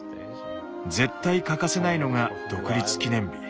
絶対欠かせないのが独立記念日。